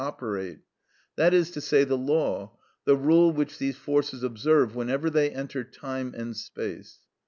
operate; that is to say, the law, the rule which these forces observe whenever they enter time and space.